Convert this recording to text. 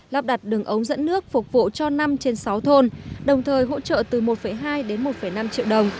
lắp đặt đường ống dẫn nước phục vụ cho năm trên sáu thôn đồng thời hỗ trợ từ một hai đến một năm triệu đồng